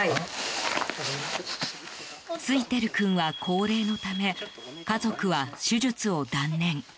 ツイテル君は高齢のため家族は手術を断念。